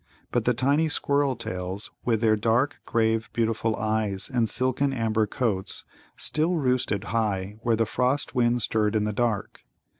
But the tiny Squirrel tails, with their dark, grave, beautiful eyes and silken amber coats, still roosted high where the frost wind stirred in the dark.